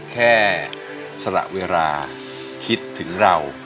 สละเวลาคิดถึงเรา